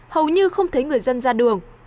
hầu như không thấy người dân ra đường